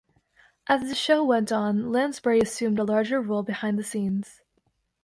As the show went on, Lansbury assumed a larger role behind the scenes.